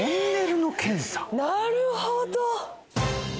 なるほど！